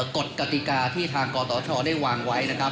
กฏกติกาที่ทางกศได้วางไว้